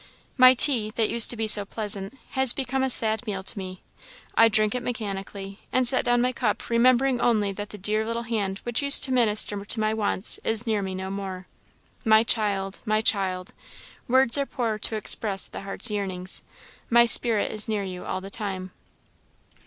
"My tea, that used to be so pleasant, has become a sad meal to me. I drink it mechanically, and set down my cup, remembering only that the dear little hand which used to minister to my wants is near me no more. My child my child! words are poor to express the heart's yearnings, my spirit is near you all the time.